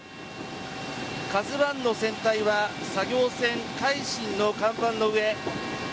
「ＫＡＺＵ１」の船体は作業船「海進」の甲板の上。